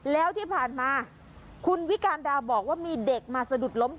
แล้วที่ผ่านมาคุณวิการดาบอกว่ามีเด็กมาสะดุดล้ม